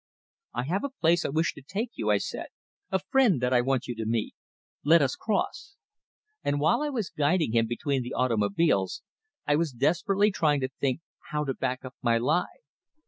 "I have a place I wish to take you to," I said; "a friend I want you to meet. Let us cross." And while I was guiding him between the automobiles, I was desperately trying to think how to back up my lie.